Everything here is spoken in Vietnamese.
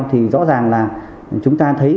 thì rõ ràng là chúng ta thấy